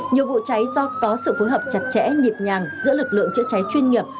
nhiều vụ cháy do có sự phối hợp chặt chẽ nhịp nhàng giữa lực lượng chữa cháy chuyên nghiệp